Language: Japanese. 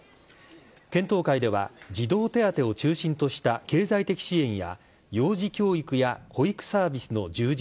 検討会では児童手当を中心とした経済的支援や幼児教育や保育サービスの充実